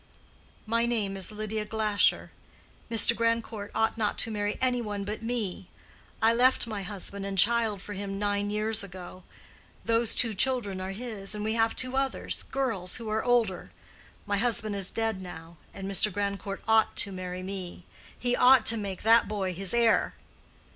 "My name is Lydia Glasher. Mr. Grandcourt ought not to marry any one but me. I left my husband and child for him nine years ago. Those two children are his, and we have two others—girls—who are older. My husband is dead now, and Mr. Grandcourt ought to marry me. He ought to make that boy his heir."